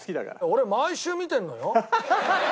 俺毎週見てんのよ。